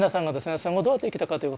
戦後どうやって生きたかということですよ。